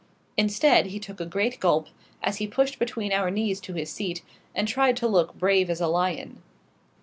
Instead, he took a great gulp, as he pushed between our knees to his seat, and tried to look brave as a lion.